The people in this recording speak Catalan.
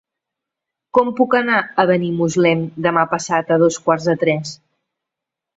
Com puc anar a Benimuslem demà passat a dos quarts de tres?